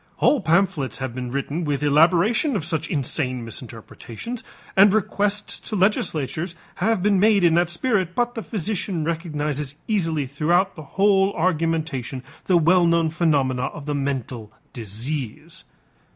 Whole pamphlets have been written with elaboration of such insane misinterpretations and requests to legislatures have been made in that spirit, but the physician recognizes easily throughout the whole argumentation the well known phenomena of the mental disease.